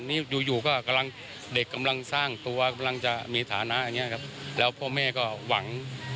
นี่อยู่อยู่ก็กำลังเด็กกำลังสร้างตัวกำลังจะมีฐานะอย่างนี้ครับแล้วพ่อแม่ก็หวัง